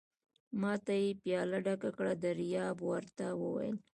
ما ته یې پياله ډکه کړه، دریاب ور ته وویل.